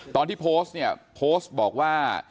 ตอนที่โพสต์เนี่ยโพสต์บอกว่า